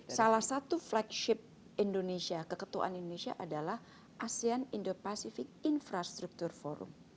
jadi salah satu flagship indonesia keketuaan indonesia adalah asean indo pacific infrastructure forum